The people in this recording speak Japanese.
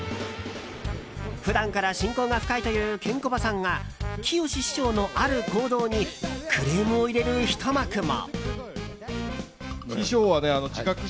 普段から親交が深いというケンコバさんがきよし師匠のある行動にクレームを入れるひと幕も。